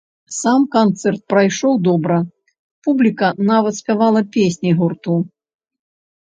Сам канцэрт прайшоў добра, публіка нават спявала песні гурту.